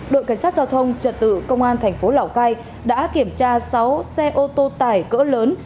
đội cảnh sát giao thông trật tự công an thành phố lào cai đã kiểm tra sáu xe ô tô tải cỡ lớn